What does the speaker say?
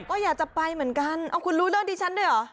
ก็อยากจะไปเหมือนกันเอาคุณรู้เรื่องดิฉันด้วยเหรอ